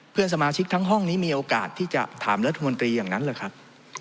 เพื่อนสมาชิกทั้งห้องนี้มีโอกาสที่จะถามรัฐมนตรีอย่างนั้นหรือครับ